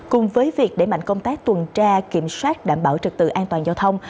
cùng với việc để mạnh công tác tuần tra kiểm soát đảm bảo trực tự an toàn giao thông